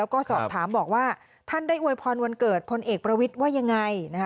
แล้วก็สอบถามบอกว่าท่านได้อวยพรวันเกิดพลเอกประวิทย์ว่ายังไงนะคะ